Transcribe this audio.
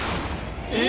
え？